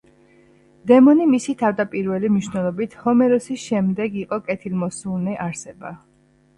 დემონი მისი თავდაპირველი მნიშვნელობით ჰომეროსის შემდეგ იყო კეთილმოსურნე არსება.